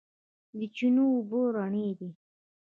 د چینو اوبه رڼې دي